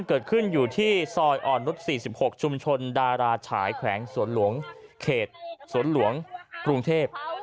เกิดขึ้นอยู่ที่ซอยอ่อนนุษย์๔๖ชุมชนดาราฉายแขวงสวนหลวงเขตสวนหลวงกรุงเทพ